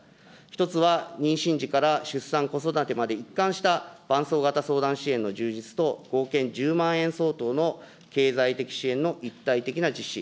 一つは妊娠時から出産、子育てまで、一貫した伴走型相談支援の充実と、合計１０万円相当の経済的支援の一体的な実施。